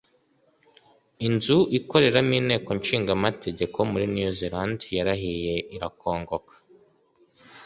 inzu ikoreramo inteko ishinga amategeko muri New Zealand yarahiye irakongoka